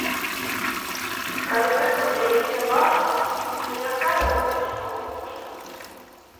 Калі гэта для яе важна, то няхай робіць што хоча.